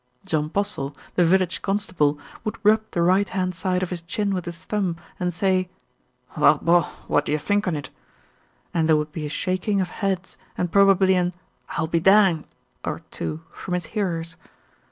John Postle, the village constable, would rub the right hand side of his chin with his thumb and say, "Well, bor, what d'you think on it?" and there would be a shaking of heads and probably an "I'll be danged" or two from his hearers.